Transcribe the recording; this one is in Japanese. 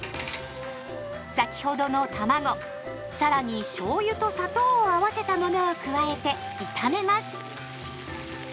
先ほどのたまご更にしょうゆと砂糖を合わせたものを加えて炒めます。